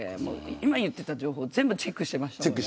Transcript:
今言っていた情報全部チェックしてました。